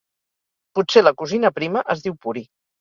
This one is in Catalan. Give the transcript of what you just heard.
Potser la cosina prima es diu Puri.